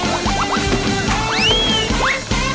ออเบอร์ต้อมหาสมอง